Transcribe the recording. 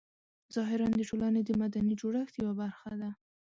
ظاهراً د ټولنې د مدني جوړښت یوه برخه ده.